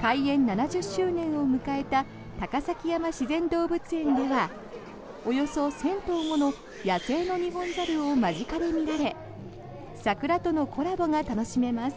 開園７０周年を迎えた高崎山自然動物園ではおよそ１０００頭もの野生のニホンザルを間近で見られ桜とのコラボが楽しめます。